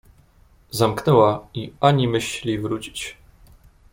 Zamknęła i ani myśli wrócić.